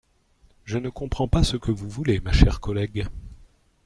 Je ne comprends pas ce que vous voulez, ma chère collègue.